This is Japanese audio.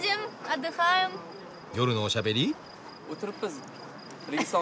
夜のおしゃべり。